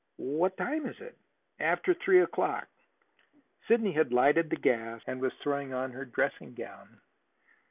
"What time is it?" "After three o'clock." Sidney had lighted the gas and was throwing on her dressing gown.